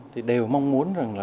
thì đều mong muốn rằng là